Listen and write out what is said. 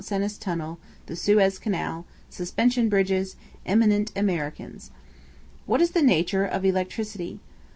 CENIS TUNNEL, THE SUEZ CANAL, SUSPENSION BRIDGES, EMINENT AMERICANS. What is the nature of Electricity?